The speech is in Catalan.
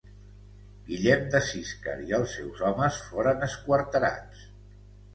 Guillem de Siscar i els seus homes foren esquarterats.